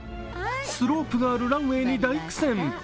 スロープがあるランウェイに大苦戦。